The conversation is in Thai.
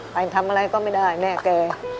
ไปทำอะไรก็ไม่ได้แม่แก